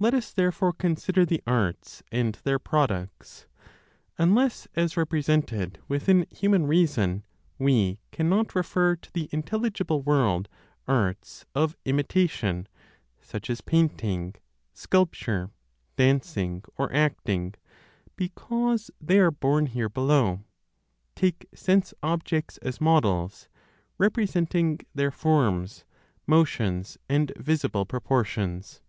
Let us therefore consider the arts and their products. Unless as represented within human reason, we cannot refer to the intelligible world arts of imitation such as painting, sculpture, dancing, or acting, because they are born here below, take sense objects as models, representing their forms, motions, and visible proportions.